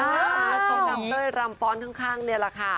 คงทำด้วยรำป้อนข้างเนี่ยแหละค่ะ